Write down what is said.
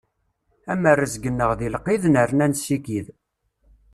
Am rrezg-nneɣ di lqid, nerna nessikid.